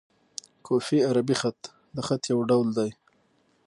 کوفي عربي خط؛ د خط یو ډول دﺉ.